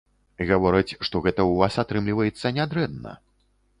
Гавораць, што гэта ў вас атрымліваецца нядрэнна.